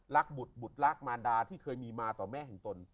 บุตรบุตรรักมารดาที่เคยมีมาต่อแม่แห่งตน